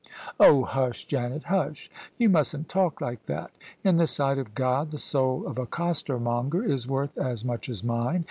" "Oh, hush, Janet, hush! You mustn't talk like that In the sight of God the soul of a costermonger is worth as much as mine.